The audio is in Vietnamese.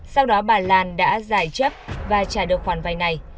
sau đó bà lan đã giải chấp và trả được khoản vay này